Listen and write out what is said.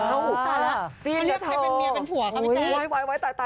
เออจริงหรือเป็นเมียเป็นผัวหรือเป็นเจ้า